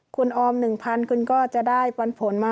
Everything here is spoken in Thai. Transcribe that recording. คุณออม๑๐๐คุณก็จะได้ปันผลมา